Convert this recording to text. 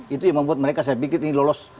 itu yang membuat mereka saya pikir ini lolos